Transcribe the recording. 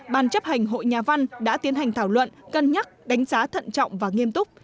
ban chấp hành hội nhà văn đã tiến hành thảo luận cân nhắc đánh giá thận trọng và nghiêm túc